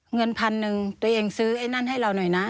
เงินพันหนึ่งตัวเองซื้อไอ้นั่นให้เราหน่อยนะ